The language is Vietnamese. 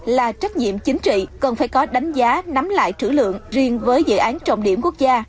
là trách nhiệm chính trị cần phải có đánh giá nắm lại trữ lượng riêng với dự án trọng điểm quốc gia